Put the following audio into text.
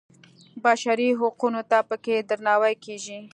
بشري حقونو ته په کې درناوی کېږي.